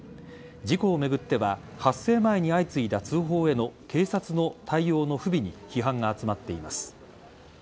事故を巡っては発生前に相次いだ通報への警察の対応の不備に批判が集まっています。